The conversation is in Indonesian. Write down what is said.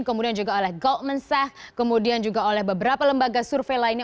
kemudian juga oleh goldman sah kemudian juga oleh beberapa lembaga survei lainnya